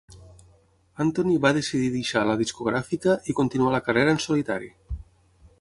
Antony va decidir deixar la discogràfica i continuar la carrera en solitari.